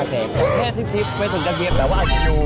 แค่ซิบไม่ถึงกระเบียบแต่ว่าอาจอยู่